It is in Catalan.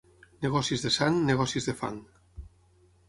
Negocis de sang, negocis de fang.